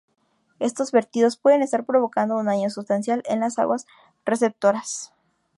Estos vertidos pueden estar provocando un daño sustancial en las aguas receptoras